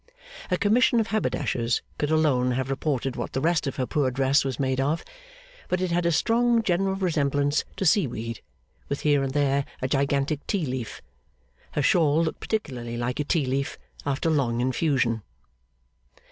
A commission of haberdashers could alone have reported what the rest of her poor dress was made of, but it had a strong general resemblance to seaweed, with here and there a gigantic tea leaf. Her shawl looked particularly like a tea leaf after long infusion.